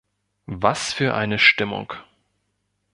Was für eine Stimmung!